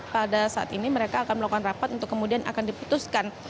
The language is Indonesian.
pada saat ini mereka akan melakukan rapat untuk kemudian akan diputuskan